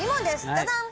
ダダン。